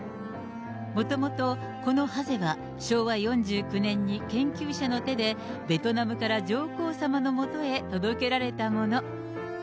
もともとこのハゼは、昭和４９年に研究者の手でベトナムから上皇さまのもとへ届けられたもの。